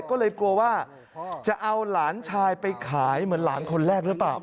ก็เลยกลัวว่าจะเอาหลานชายไปขายเหมือนหลานคนแรกหรือเปล่า